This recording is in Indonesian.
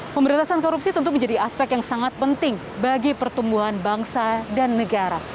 pemberantasan korupsi tentu menjadi aspek yang sangat penting bagi pertumbuhan bangsa dan negara